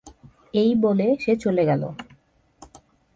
এই বলে সে চলে গেল।